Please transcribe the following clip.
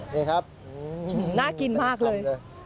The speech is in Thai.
นี่ครับน่ากินมากเลย